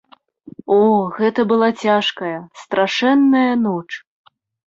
О, гэта была цяжкая, страшэнная ноч.